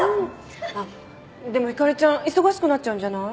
あっでもひかりちゃん忙しくなっちゃうんじゃない？